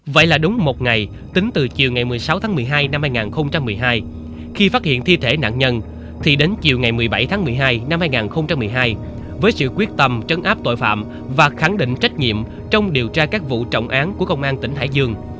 vậy là đúng một ngày tính từ chiều ngày một mươi sáu tháng một mươi hai năm hai nghìn một mươi hai khi phát hiện thi thể nạn nhân thì đến chiều ngày một mươi bảy tháng một mươi hai năm hai nghìn một mươi hai với sự quyết tâm trấn áp tội phạm và khẳng định trách nhiệm trong điều tra các vụ trọng án của công an tỉnh hải dương